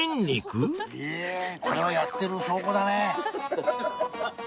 これはやってる証拠だね。